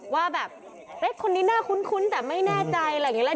ว่าแบบคนนี้น่าคุ้นแต่ไม่แน่ใจอะไรอย่างนี้